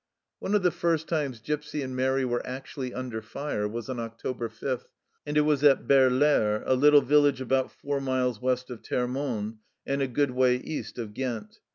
One of the first times Gipsy and Mairi were actually under fire was on October 5, and it was at Beiieare, a little village about four miles w r est of Termonde and a good way east of Ghent.